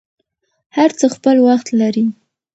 هر څه خپل وخت لري.